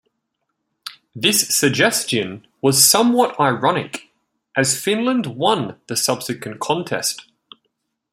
This suggestion was somewhat ironic, as Finland won the subsequent contest.